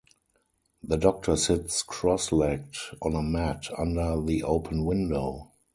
The doctor sits cross-legged on a mat under the open window.